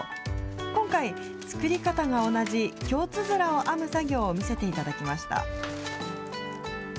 今回、作り方が同じ京つづらを編む作業を見せていただきました。